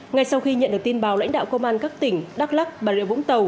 ngay sau khi nhận được tin báo lãnh đạo công an các tỉnh đắk lắc bà rịa vũng tàu